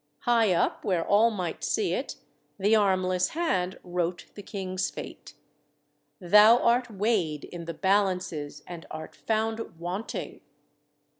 High up, where all might see it, the armless hand wrote the King's fate. 'Thou art weighed in the balances and art found wanting."